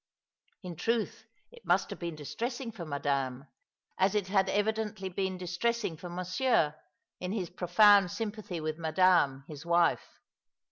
In truth it must have been distressing for Madame, as it had evidently been distressing for Monsieur in his profound sympathy with Madame, hia wife.